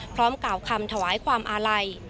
พร้อมก่าวคำถวายความอาลัย